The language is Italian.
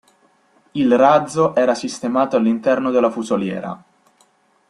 Il razzo era sistemato all'interno della fusoliera.